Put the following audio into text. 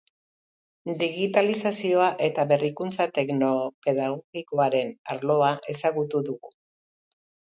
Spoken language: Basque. Digitalizazio eta berrikuntza tekno-pedagogikoaren arloa ezagutu dugu.